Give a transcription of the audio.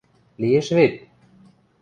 Лиэш вет?